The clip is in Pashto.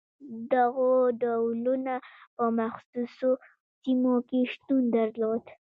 دغو ډولونه په مخصوصو سیمو کې شتون درلود.